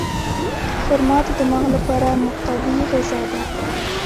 خرما د دماغ لپاره مقوي غذا ده.